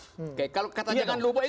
oke kalau kata jangan lupa itu apa